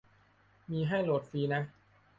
มีให้โหลดฟรีนะ